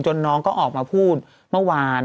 น้องก็ออกมาพูดเมื่อวาน